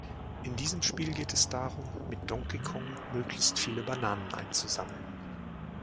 In diesem Spiel geht es darum, mit Donkey Kong möglichst viele Bananen einzusammeln.